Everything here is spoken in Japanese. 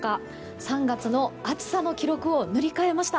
３月の暑さの記録を塗り替えました。